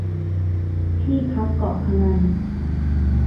ที่พักเกาะพะงัน